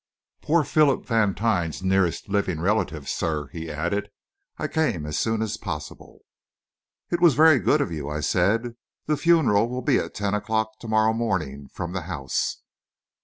"Poor Philip Vantine's nearest living relative, sir," he added. "I came as soon as possible." "It was very good of you," I said. "The funeral will be at ten o'clock to morrow morning, from the house."